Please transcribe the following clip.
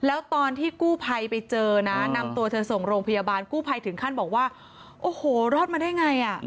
แล้วตอนที่กู้ภัยไปเจอนะนำตัวเธอส่งโรงพยาบาลกู้ภัยถึงขั้นบอกว่าโอ้โหรอดมาได้ไงอ่ะ